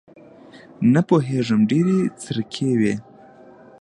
نه پوېېږم ډېرې څرخکې وې.